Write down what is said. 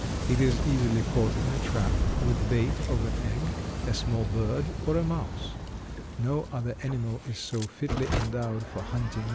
It is easily caught in a trap, with bait of an egg, a small bird, or a mouse. No other animal is so fitly endowed for hunting mice. [Illustration: WEASEL.